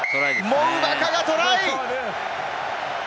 モウヴァカがトライ！